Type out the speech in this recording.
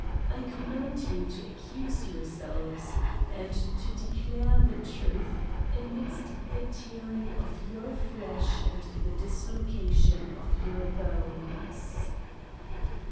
I com* mand you to accuse yourselves ^ and to declare the truths amidst the tearing of your fiesh and the dis^ location of your bones.